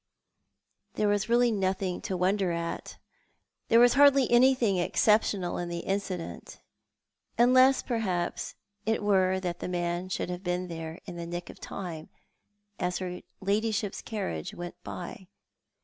There was really nothing to wonder at. There was hardly anything exceptional in the incident, unless perhaps it were that the man should have been there in the nick of time, as her ladyship's carriage went by.